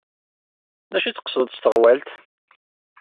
D acu ay d-tqesdeḍ s teɣwalt?